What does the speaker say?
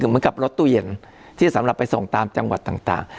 เหมือนกับรถตู้เย็นที่สำหรับไปส่งตามจังหวัดต่าง